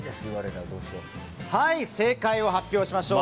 正解を発表しましょう。